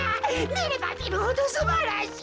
みればみるほどすばらしい。